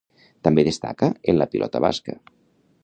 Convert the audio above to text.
També destacà en la pilota basca.